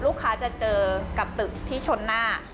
ลูกค้าจะเจอกับตึกที่ชนหน้า